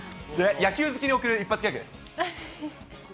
野球好きに贈る一発ギャグ。